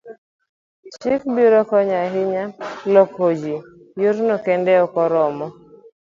chik biro konyo ahinya loko ji, yorni kende ok oromo